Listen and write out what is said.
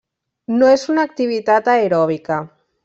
No és una activitat aeròbica.